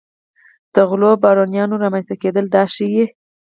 د غلو بارونیانو رامنځته کېدل دا ښيي.